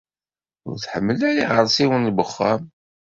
Ur tḥemmel ara iɣersiwen n wexxam.